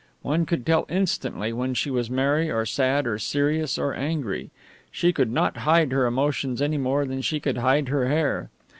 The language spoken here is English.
One could tell instantly when she was merry or sad or serious or angry. She could not hide her emotions any more than she could hide her hair.